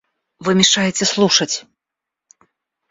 Вы мешаете слушать.